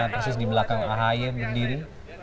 persis di belakang ahy berdiri